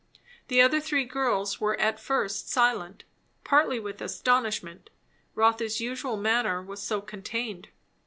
The other three girls were at first silent, partly with astonishment, Rotha's usual manner was so contained.